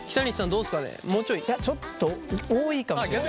いやちょっと多いかもしれない。